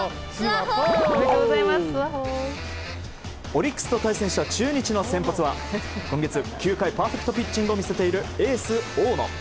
オリックスと対戦した中日の先発は今月９回パーフェクトピッチングを見せているエース、大野。